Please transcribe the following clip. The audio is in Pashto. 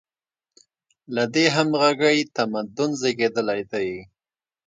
له دې همغږۍ تمدن زېږېدلی دی.